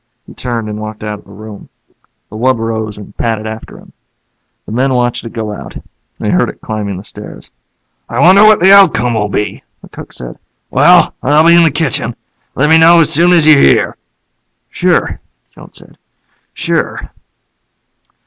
He turned and walked out of the room. The wub rose and padded after him. The men watched it go out. They heard it climbing the stairs. "I wonder what the outcome will be," the cook said. "Well, I'll be in the kitchen. Let me know as soon as you hear." "Sure," Jones said. "Sure."